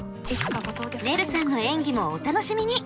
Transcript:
ねるさんの演技もお楽しみに！